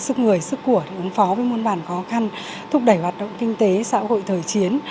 sức người sức của để ứng phó với muôn bản khó khăn thúc đẩy hoạt động kinh tế xã hội thời chiến